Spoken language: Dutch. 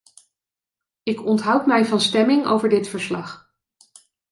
Ik onthoud mij van stemming over dit verslag.